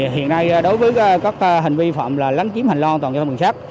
hiện nay đối với các hành vi phạm là lắng chiếm hành lo toàn cho cảnh sát